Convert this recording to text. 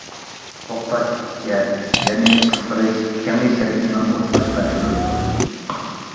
توختاش ئىككى ھەرىكەت يەنى قىسقىرىش-كېڭىيىش ھەرىكىتىنىڭ ئوتتۇرىسىدا كۆرۈلىدۇ.